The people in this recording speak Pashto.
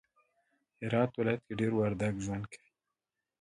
هرات ولایت کی دیر وردگ ژوند کوی